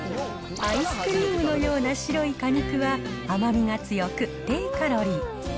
アイスクリームのような白い果肉は甘みが強く、低カロリー。